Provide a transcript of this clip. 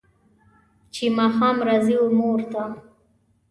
چې ماښام راځي و مور ته